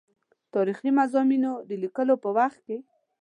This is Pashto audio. تاریخي مضامینو د لیکلو په وخت کې.